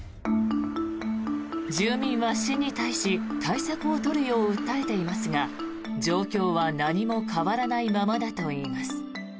住民は市に対し対策を取るよう訴えていますが状況は何も変わらないままだといいます。